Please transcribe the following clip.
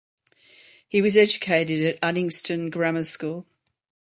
He was educated at Uddingston Grammar School.